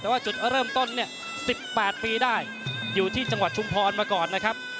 แต่ว่าจุดเริ่มต้นเนี่ย๑๘ปีได้อยู่ที่จังหวัดชุมพรมาก่อนนะครับ